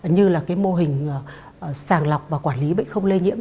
như mô hình sàng lọc và quản lý bệnh không lây nhiễm